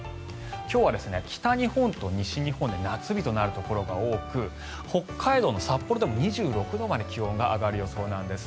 今日は北日本と西日本で夏日となるところが多く北海道の札幌でも２６度まで気温が上がる予想なんです。